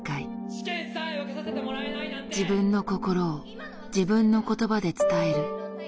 「自分の心を自分の言葉で伝える」。